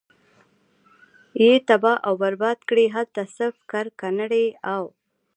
ئي تباه او برباد کړې!! هلته صرف کرکنړي او